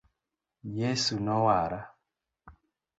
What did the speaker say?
Yesu nowara .